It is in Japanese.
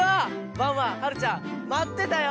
ワンワンはるちゃんまってたよ！